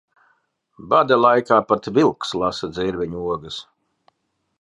Bada laikā pat vilks lasa dzērveņu ogas.